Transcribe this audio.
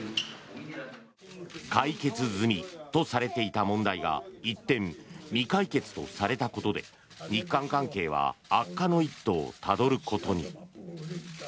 解決済みとされていた問題が一転、未解決とされたことで日韓関係は悪化の一途をたどることに。